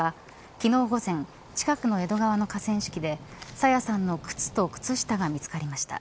昨日、午前近くの江戸川の河川敷で朝芽さんの靴と靴下が見つかりました。